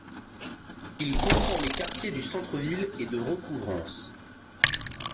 Il comprend les quartiers du centre-ville et de recouvrance.